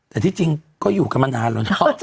แต่ที่จริงก็อยู่กันมานานแล้วนะ